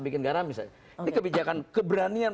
bikin garam misalnya ini kebijakan keberanian